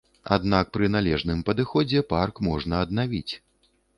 Аднак пры належным падыходзе парк можна аднавіць.